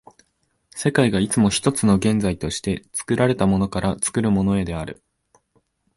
世界がいつも一つの現在として、作られたものから作るものへである。